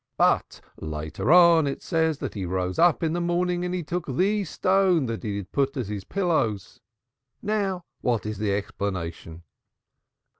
But later on it says that he rose up in the morning and he took the stone which he had put as his pillows. Now what is the explanation?"